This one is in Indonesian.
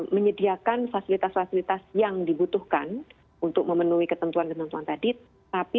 menyediakan fasilitas fasilitas yang dibutuhkan untuk memenuhi ketentuan ketentuan tadi tapi